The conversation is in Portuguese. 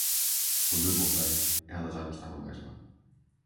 Quando eu voltei ela já não estava mais lá.